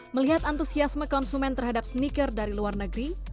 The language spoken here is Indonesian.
melihat antusiasme konsumen terhadap sneaker dari luar negeri